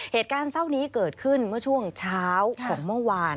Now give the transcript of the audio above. เหตุการณ์เศร้านี้เกิดขึ้นเมื่อช่วงเช้าของเมื่อวาน